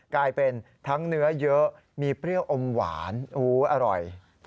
กลายเป็นทั้งเนื้อเยอะมีเปรี้ยวอมหวานอร่อย